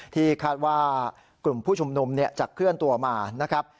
ที่คาดว่ากลุ่มผู้ชุมนุมจะเคลื่อนตัวมานะครับ